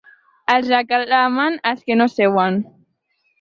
Els reclamen els que no seuen.